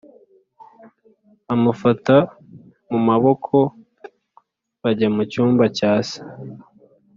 amufata mumaboko bajya mucyumba cya se